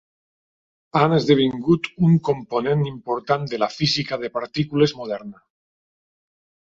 Han esdevingut un component important de la física de partícules moderna.